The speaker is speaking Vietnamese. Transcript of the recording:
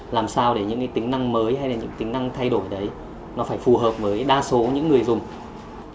làm sao để những tính năng mới hay là những tính năng thay đổi đấy nó phải phù hợp với đa số những người dùng